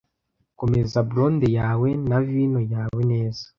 komeza blonde yawe na vino yawe neza